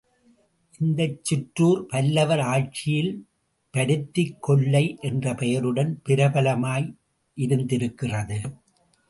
இந்தச் சிற்றூர் பல்லவர் ஆட்சியில் பருத்திக் கொல்லை என்ற பெயருடன் பிரபல மாயிருந்திருக்கிறது.